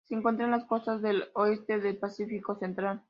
Se encuentran en las costas del oeste del Pacífico Central.